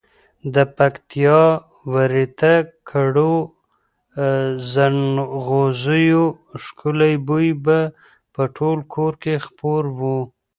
د پکتیا ورېته کړو زڼغوزیو ښکلی بوی به په ټول کور کې خپور وو.